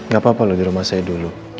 gak apa apa loh di rumah saya dulu